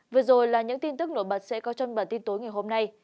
vừa rồi là những tin tức nổi bật sẽ có trong bản tin tối ngày hôm nay